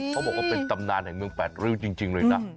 เขาบอกว่าเป็นตำนานแห่งเมืองแปดริ้วจริงเลยนะ